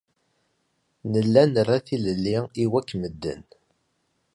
Nella nra tilelli i wakk medden.